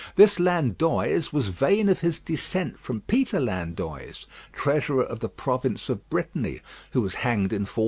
This Landoys was vain of his descent from Peter Landoys, treasurer of the province of Brittany, who was hanged in 1485.